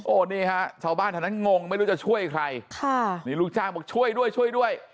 โอ้โหนี่ฮะชาวบ้านเท่านั้นงงไม่รู้จะช่วยใครค่ะนี่ลูกจ้างบอกช่วยด้วยช่วยด้วย